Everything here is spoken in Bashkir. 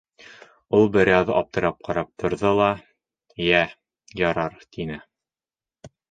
— Ул бер аҙ аптырап ҡарап торҙо ла: — Йә, ярар, — тине.